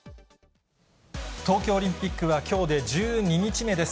東京オリンピックはきょうで１２日目です。